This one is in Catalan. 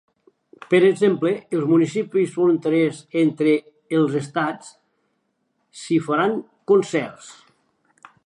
Per exemple, als municipis fronterers entre els estats, s’hi faran concerts.